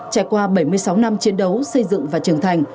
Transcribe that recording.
trải qua bảy mươi sáu năm chiến đấu xây dựng và trưởng thành